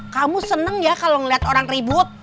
kamu seneng ya kalau ngeliat orang ribut